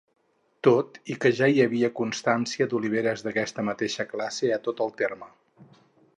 Tot i que ja hi havia constància d'oliveres d'aquesta mateixa classe a tot el terme.